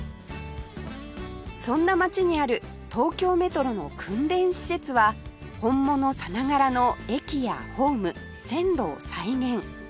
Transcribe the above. そんな街にある東京メトロの訓練施設は本物さながらの駅やホーム線路を再現